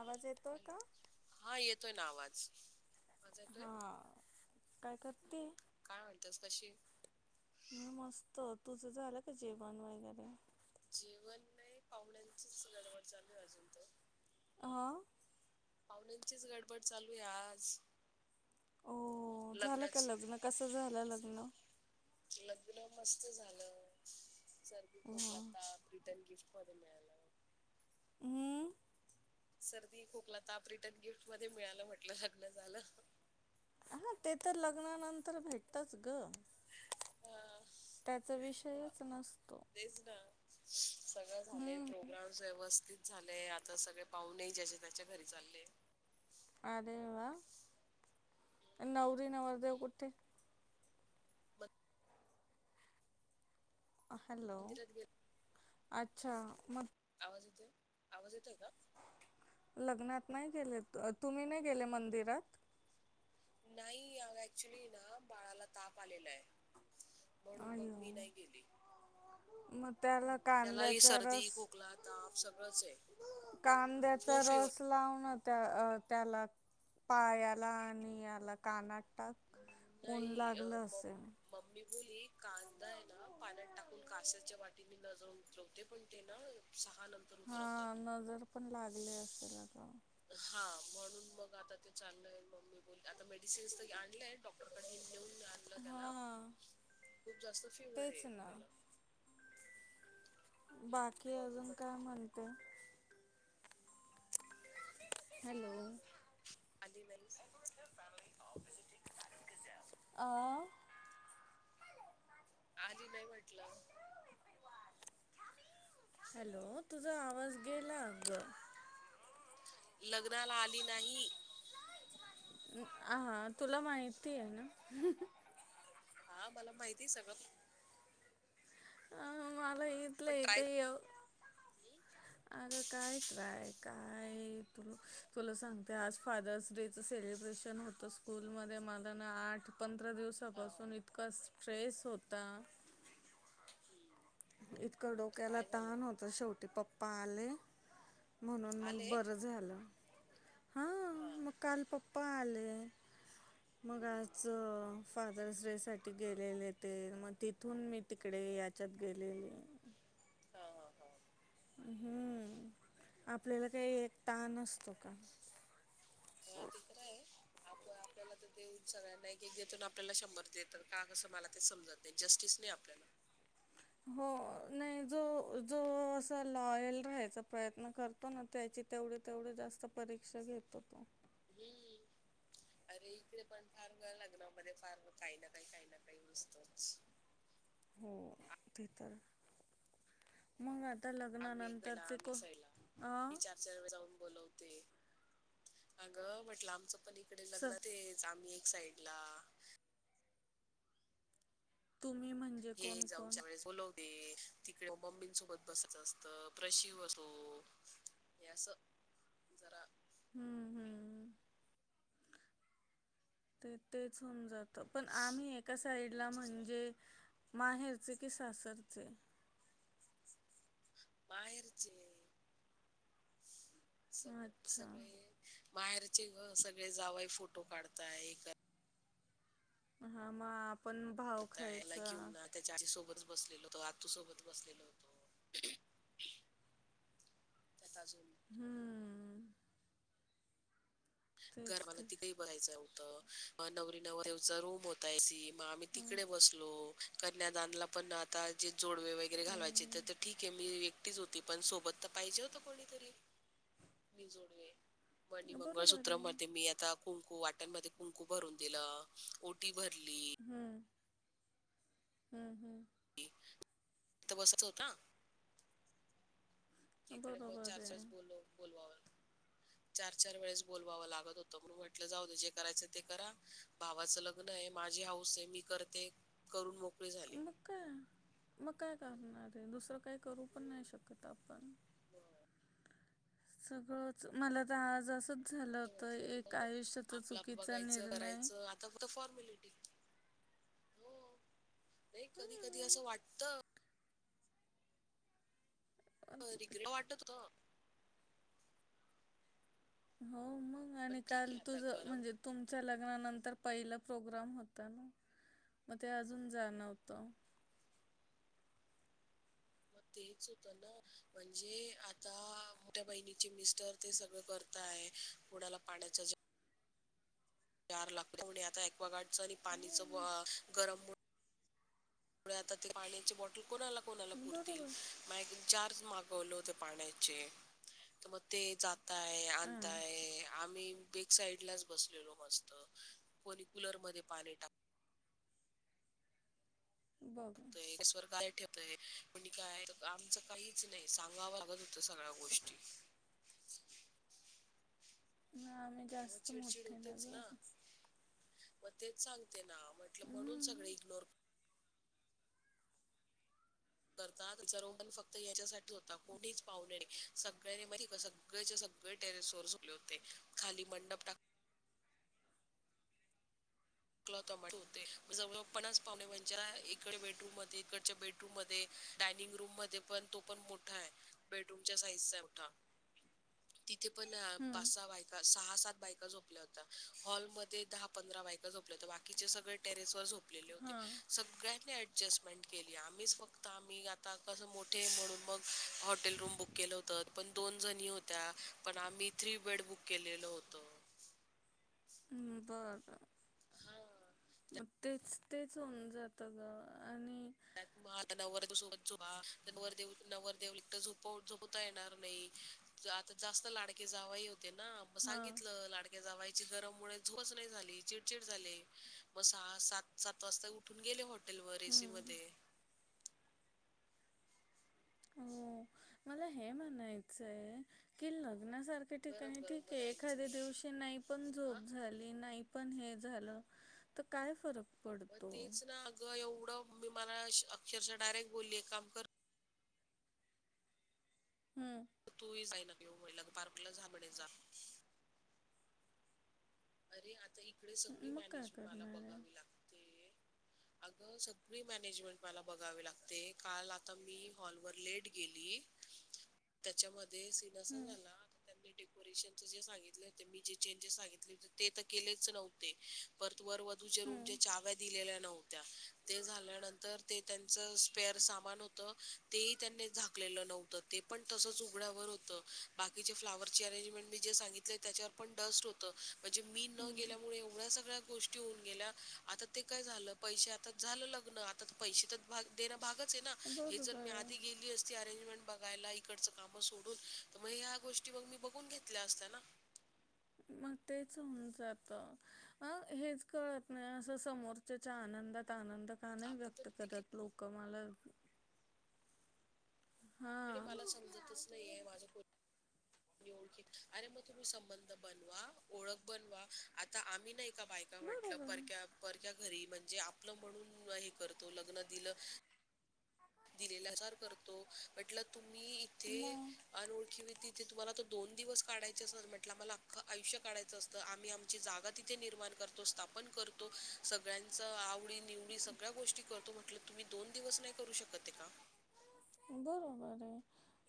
आवाज येतोय हॅलो का? हा येतोय ना आवाज माझ येतोय हा काय करते हम्म. काय म्हणतेस कशी आहे? मी मस्त तुझं झालं का जेवण वगैरे जेवण नाही पाहुण्यांचीच गडवड चालू आहे अजून तर ह पाहुण्यांचीच गडबड चालू आहे आज हो झालं का लग्नाच लग्न कस झालं लग्न लग्न मस्त झालं सर्दीी हा खोकला ताप लागतात रिटन गिफ्ट पदमेला हम्म सर्दी खोकला ताप रिटर्न गिफ्ट मध्ये मिळालं म्हटलं लग्न झालं हा ते तर लग्नानंतर भेटतच ग हा, त्याचा विषयच नसतो सगळ झाले हम्म प्रोग्राम व्यवस्थित झालंय आता सगळे पाहुणे ज्याच्या त्याच्या घरी चालले अरे वा हम्म. नवरी नवरदेव कुठे हॅलो मंदिरात गेले अच्छा म आवाज येतय का लग्नात नाही गेले तुम्ही नाही गेले मंदिरात नाही ऍक्च्युली ना बाळाला ताप आलेला आहे म्हणून मग अय्यो मी नाही गेली मग त्याला त्यालाही कांद्याचा सर्दी रस खोकला ताप सगळंच आहे कांद्याचा खूप फिवर रस लावण त्या अ त्याला पायाला आणि याला काना टाक ऊन नाही अ, लागलं मम असेल मम्मी बोली कांदा आहे ना पाण्यात टाकून कास्याच्या वाटी मी नजरून उचलवते पण ते ना सहा नंतर हा उतरवतात. नजर पण लागली असेल हा म्हणून मग आता ते चाललय मम्मी बोल मेडिसिन्स तर आणल्याय डॉक्टरकड नेऊन आणलं त्याला हा खूप जास्त फिवर्हर तेच आहे ना त्याला हम्म बाकी म्हणून अजून काय म्हटलं म्हणते हॅलो अली नइस आ आली नाही म्हटलं हॅलो तुझा आवाज गेला अग लग्नाला आली नाही ह तुला माहिती आहे ना हा मला माहिती सगळं अ मला पण इथलं ट्राय इथे ये आग काय य काय तु तुला सांगते आज फादर्स डे च सेलिब्रेशन होत स्कूलमध्ये मला ना आठ पंधरा दिवसापासून इतका स्ट्रेस होता [inaudible] क डोक्याला काय झालं ताण होत शेवटी पप्पा आले म्हणून मग आले बरं झालं हा म काल पप्पा आले मग आज फादर्स डे साठी गेलेले ते मग तिथून मी तिकडे याचत गले हा हा हम्म आपल्याला काही एक ताण असतो का ते तर आहे आपण आपल्याला तर देऊन सगळ्यांना एक एक देत आपल्याला शंभर देत का मला ते समजत नाही जस्टिस नाही आपल्याला हो नाही जो जो अस लॉयल राहायचा प्रयत्न करतो ना त्याची तेवढे तेवढे जास्त परीक्षा घेतो. [unintelligible] अरे इकडे पण फार काय, लग्नामध्ये फार काही ना काही, काही ना काही दिसतच. हो ते तर, मंग आ आम्ही आम्ही. अ मी चार चार वेळे जाऊन बोलवते. अगं म्हटलं आमचं पण इकडे स लग्न तेच, आम्ही एक साइडला तुम्ही म्हणजे हे कोण कोण जाऊनच्या वेळेस बोलवते. तिकडे मम्मींसोबत बसायचं असतं. प्रशीव असो, हे असं जरा हं हम्मम ते तेच होऊन जात, पण आम्ही एका म्हटलं साइडला वाचच झालं म्हणजे माहेरचे की सासरचे माहेरचे वो सग अच्छा सगळे, माहेरचे गं सगळे जावय फोटो काढताय एकदम हां म [unintelligible] करतायला घेऊना त्याच्या आजी सोबत बसलेलो होतो, आतूसोबत बसलेलो होतो [unintelligible] हम्ममम घरमाला तेच तितेही बघायचं होतं. मग नवरी नवर देवचा रूम होता एसी. मग आम्ही हां तिकडे बसलो. कन्यादानला पण आता जे जोडवे वगैरे घालवायचे हो तर ठीक आहे, मी एक तिच होती पण सोबत तर पाहिजे होत कोणीतरी. मी जोडवे मणी बरोबर मंगळसूत्र आहे. मध्ये मी आता कुंकू वाट आतमध्ये कुंकू भरून दिला, ओटी भरली, हं हम्म हम्म [unintelligible] इथ बसत होता इकडे मग चार बरोबर आहे. चारच बोलून, बोलवाव चार चार वेळेस बोलवावं लागत होतं, म्हणून म्हटलं जाऊ दे जे करायचं ते करा, भावाच लग्न आहे मान माझी हौस आहे मी करते करून मो [unintelligible] मग काय, मग काय करणार आहे, दुसरं काही करू पण नाही मी शकत आपण सगळंच, मला तर आज असं ते म्हटलं होतं की नाय. आपलं आप चुकीचा बघायचं, निर्णय. करायचं, आता फक्त फॉरमॅलीटी. हो, नाही कधी कधी असं हम्म. वाटत हो रिग्रेट वाटत होत हो मंग, पण आणि ठीक काल आहे तुझ आता गरम म्हणजे तुमच्या लग्नानंतर पहिलं प्रोग्राम होता ना, मग ते अजून जाणवतं. [inaudible] [unintelligible] ना म्हणजे आता, मोठ्या बहिणीचे मिस्टर ते सगळं करता आहे पुण्याला पाण्याचा ज गार लागत आता ॲक्वागार्डच आणि पाणीच हम्म. गरम त्या आता ते पाण्याचे बॉटल कोणाला कोणाला पुरतील बरोबर. मंग एकदम [unintelligible] मागवलं होते पाण्याचे, तर मग ते जात आणताय हां आणताय आम्ही बेक साईड लाच बसलेलो मस्त. कोणी कुलर मध्ये पाणी टाक बघ स्वर गाय ठेवतय कुणी काय तं आमचं काहीच नाही सांगावं लागत होतं सगळ्या गोष्टी [unintelligible] मग आम्ही मग जास्त चिडचिड मोठे होतेच ना गं. मग तेच सांगते ना, म्हटलं म्हणून सगळे हम्म. इग्नोर करताच रोपण फक्त याच्यासाठी होता, कोणीच पाहणे नाही, सगळ्यांनी माहीती का सगळेच्या सगळे सगळे टेरेस वर झोपले होते खाली मंडप टाक होता जवळपणच पाहुणे म्हच्या इकडे बेडरूम म इकडच्या बेडरूम मध्ये डायनिंग रूम मध्ये पण तो पण मोठा आहे बेडरूमच्या साइजचा एठा तिथे पण हम्म. पासा बायका सहा सात बायका झोपल्या होत्या हॉल मध्ये दहा पंधरा बायका झोपल्या होत्या बाकीचे सगळेे टेरेवर झोप झोपलेले होते हां सगळ्यांनी ऑ ॲडजस्टमेंट केली आम्हीच फक्त आम्ही आता कसं मोठे म्हणून मग हॉटेल रूम बुक केलं होतं पण दोन जणी होत्या पण आम्ही थ्री बेड बुक केलेलं होतो ह् बरं मग तेच, तेच होऊन जातं गं आणि मग आता ना वर बसवून नवरदेव, नवरदेव एकटं झो झोपता येणार नाही आता जास्त लाडकी जावंई होते ना म हां सांगितलं लाडके जावाई गरम मुळे झोपचं नाही झाली चिडचिड झाले म सहा सात सात वाजता उठून गेले हाॅटे तलवारी [unintelligible] हो [inaudible] मला हे म्हणायचंय, कि ल लग्नासारख्या गरम ठिकाणी गरम ठीक आहे. राहायचं एखाद्या नाही दिवशी नाही पण हा झोप झाली. नाही पण हे झालं, तर काय फरक मग पडतो तेच ना, अगं एवढं मी मला अक्षरशः डायरेक्ट बोलली एक काम कर हम्म म तुही जाईन ओ [unintelligible] पार्कला जा म्हणे जा अरे आता इकडे सगळी मग काय मॅनेजे मला करणार आहे बघावी लागते अगं सगळी मॅनेजमेंट मला बघावी लागते, काल आता मी हॉलवर लेट गेली त्याच्यामध्ये म्हणजे सीन असा हम्म झाला, तर त्यांनी डेकोरेशनच जे सांगितलं, मी जे चेंजेस सांगितले होते ते तर केलेच नव्हते. परत वर वधू च्या रूमच्या हम्म चाव्या दिलेल्या नव्हत्या ते झाल्यानंतर ते त्यांच स्पेअर चं सामान होत, ते त्यांनी झाकलेल नव्हत ते पण तसचं उघड्यावर होत. बाकीचे फ्लावर अरेंजमेंट मी जे सांगितलं, त्याच्यावर पण डस्ट होत. म्हणजे मी न हम्म गेल्यामुळे एवढ्या सगळ्या गोष्टी होऊन गेल्या. आता ते काय झालं पैसे आता झालं लग्न. आता पैसे तर भाग देणं भागच आहे ना. हे जर बरोबर मी आहे आधी गेली असती, अरेंजमेंट बघायला इकडंच काम सोडून. तर मग ह्या गोष्टी मग मी बघून घेतल्या असत्या ना मग तेच होऊन जात. अ हेच कळत नाही असं समोरच्याच्या आनंदात आनंद का नाही आपण तर व्यक्त तिकीट करत लोक मला हां मला समजतच नाही आहे माझं कु ओळखी अरे मग तुम्ही संबंध बनवा, ओळख बनवा, आता आम्ही नाही का बायका म्हटलं, बरोबर आहे परक्या परक्या घरी म्हणजे आपलं म्हणून हे करतो. लग्न दिल दिलेला सार करतो. म्हटलं तुम्ही इथे मग अनोळखी तिथे तुम्हाला दोन दिवस काढायचे आहेत. सर म्हटलं आम्हाला अख्खं आयुष्य काढायचं असतं. आम्ही आमची जागा तिथे निर्मा र्माण करतो, स्थापन करतो, सगळ्यां आवू अवडी निवडी सगळ्या गोष्टी करतो. म्हटलं तुम्ही दोन दिवस नाही करू शकते का? बरोबर आहे.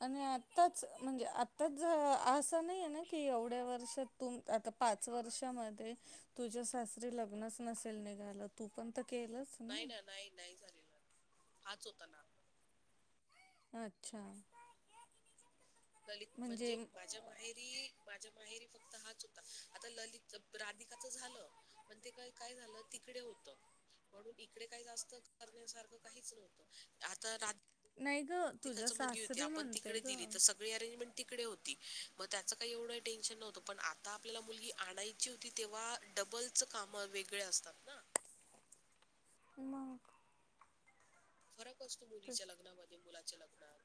आणि आताच म्हणजे, आताच असं नाही आहे ना की तेवढ्या वर्ष तूम आता पाच वर्षामध्ये तुझ्या सासरी लग्नच नसेल निघा यला तू पण त्यात नाही ना नाही नाही झालेलं. हाच होता ना अच्छा कलित म्हणजे माझ्या माहेरी माझ्या माहेरी फक्त हाच होता आता ललित राधिकाच झालं. पण ते का काय झालं, तिकडे होत म्हणून इकडे काही जास्त करण्यासारखं काहीच नव्हतं. आता रात्री नाही ग तुझ्या [unintelligible] सासरी आपण म्हणते तिकडे ग दिली. तर सगळी अरेंजमेंट ती तिकडे होती. मग त्याचं काय एवढं टेन्शन नव्हतं, पण आता आपल्याला मुलगी आणायची होती तेव्हा डब बल च काम वेगळे असतात ना. मग फरक असतो ते मुलीच्या लग्नामध्ये, मुलाच्या लग्नात.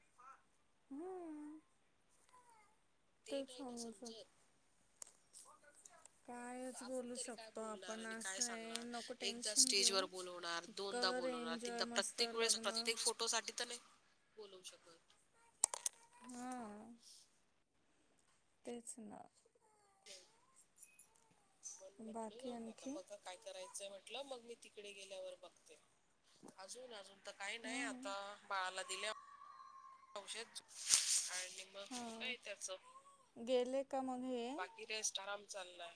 हम्म ते नाही ना समजत [unintelligible] आपण तरी काय बोलणार? आपण आणि काय असं आहे सांगणार? नको एकदा टेन्शन स्टेज वर घेऊ बोलवणार, दोनदा कर बोल बोलवणार एन्जॉय तिथं मस्त प्रत्येक वेळेस लग्न प्रत्येक फोटो साठी तर नाही बोलवू शकत. हम तेच ना. पण म्हटलं बाकी जाऊन दे आता आणखी? बघा काय करायचंय म्हटलं मग मी तिकडे गेल्यावर बघते. अजून अजून आता काही नाही. हां आता बाळाला दिलाय औषध हां गेले का मग हे आणि [unintelligible] चाललाय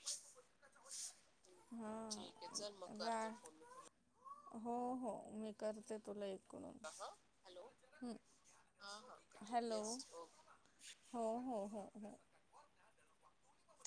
ठीक आहे चल मग करते फोन मी तुला [unintelligible] हो हो मी करते तुला एक हॅलो हां हां करते हॅलो येस ओके हो हो हो हो